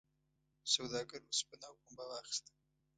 سوداګر اوسپنه او پنبه واخیسته.